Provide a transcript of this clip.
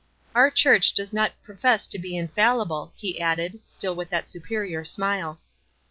" Our church does not pro fess to be infallible," he added, still with that superior smile.